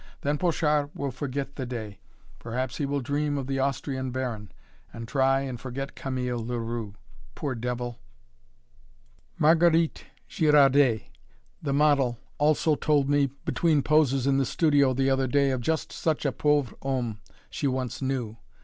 Then Pochard will forget the day perhaps he will dream of the Austrian Baron and try and forget Camille Leroux. Poor devil!" [Illustration: GEROME] Marguerite Girardet, the model, also told me between poses in the studio the other day of just such a "pauvre homme" she once knew.